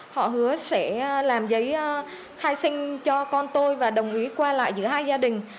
họ hứa sẽ làm giấy khai sinh cho con tôi và đồng ý qua lại giữa hai gia đình